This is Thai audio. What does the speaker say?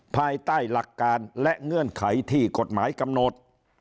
ภายใต้หลักการและเงื่อนไขที่กฎหมายกำหนด